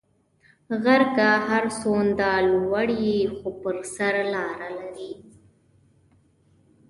غر که هر څونده لوړ یی خو پر سر لاره لری